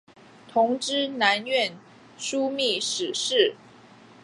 同知南院枢密使事。